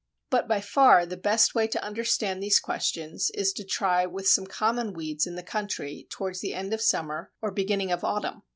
But by far the best way to understand these questions is to try with some common weeds in the country towards the end of summer or beginning of autumn.